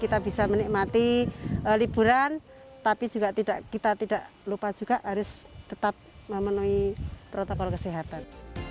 kita bisa menikmati liburan tapi juga kita tidak lupa juga harus tetap memenuhi protokol kesehatan